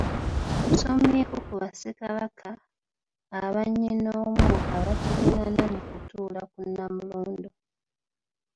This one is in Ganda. Tusomyeko ku Bassekabaka abannyinoomu abaddiriragana mu kutuula ku Nnamulondo.